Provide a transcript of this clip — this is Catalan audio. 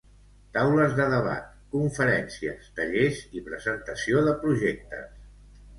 Taules de debat, conferències, tallers i presentació de projectes.